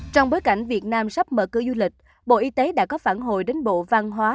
trong bối cảnh việt nam sắp mở cửa du lịch bộ y tế đã có phản hồi đến bộ văn hóa